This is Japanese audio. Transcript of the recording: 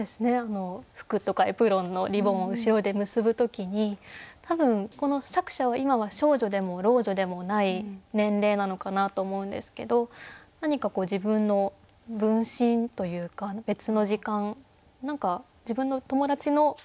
服とかエプロンのリボンを後ろで結ぶ時に多分この作者は今は少女でも老女でもない年齢なのかなと思うんですけど何かこう自分の分身というか別の時間何か自分の友達の。